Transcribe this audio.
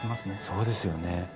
そうですよね。